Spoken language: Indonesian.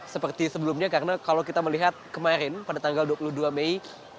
seperti sebelumnya karena kalau kita melihat kemarin pada tanggal dua puluh dua mei dua ribu sembilan belas